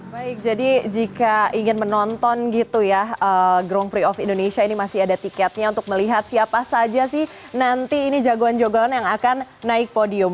baik jadi jika ingin menonton gitu ya grand prix of indonesia ini masih ada tiketnya untuk melihat siapa saja sih nanti ini jagoan jagoan yang akan naik podium